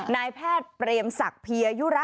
นายแพทย์เปรมศักดิ์เพียยุระ